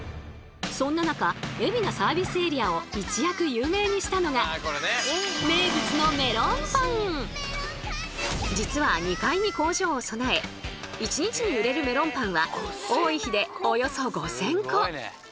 そんな中海老名サービスエリアを一躍有名にしたのが名物の実は２階に工場を備え１日に売れるメロンパンは多い日でおよそ５，０００個。